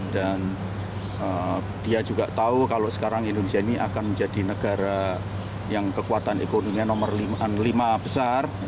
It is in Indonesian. dan dia juga tahu kalau sekarang indonesia ini akan menjadi negara yang kekuatan ekonomi nomor lima besar